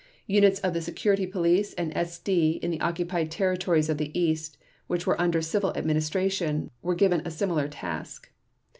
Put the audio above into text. Units of the Security Police and SD in the occupied territories of the East, which were under civil administration, were given a similar task.